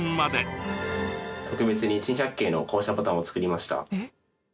特別に『珍百景』の降車ボタンを作りました。